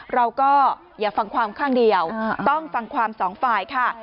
เราก็อย่าฟังความข้างเดียวต้องฟังความสองฝ่ายค่ะ